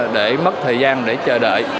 để mất thời gian để chờ đợi